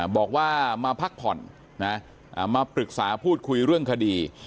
บอกว่ามาพักผ่อนมาปรึกษาพูดคุยเรื่องคดี